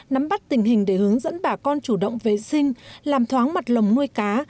nắm bắt tình hình để hướng dẫn bà con chủ động vệ sinh làm thoáng mặt lồng nuôi cá